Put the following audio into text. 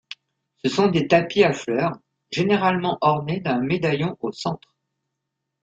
Ce sont des tapis à fleurs, généralement ornés d'un médaillon au centre.